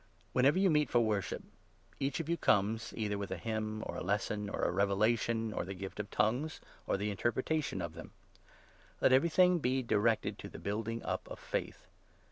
Whenever you meet for 26 worship, each of you comes, either with a hymn, or a lesson, or a revelation, or the gift of 'tongues,' or the interpreta tion of them ; let everything be directed to the building up of faith.